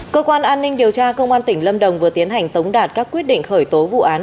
cơ quan an ninh điều tra công an tỉnh lâm đồng vừa tiến hành tống đạt các quyết định khởi tố vụ án